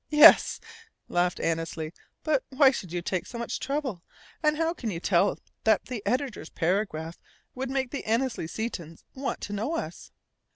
"Yes," laughed Annesley. "But why should you take so much trouble and how can you tell that the editor's paragraph would make the Annesley Setons want to know us?"